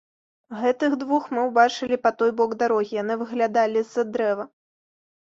Гэтых двух мы ўбачылі па той бок дарогі, яны выглядалі з-за дрэва.